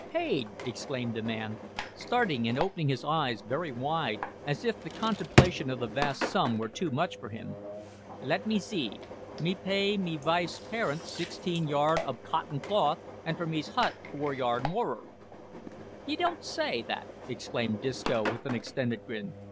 "Paid!" exclaimed the man, starting and opening his eyes very wide, as if the contemplation of the vast sum were too much for him; "lat me zee me pay me vife's pairyints sixteen yard ob cottin clothe, an' for me's hut four yard morer." "Ye don't say that?" exclaimed Disco, with an extended grin.